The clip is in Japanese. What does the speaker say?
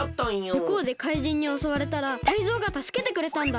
むこうでかいじんにおそわれたらタイゾウがたすけてくれたんだ。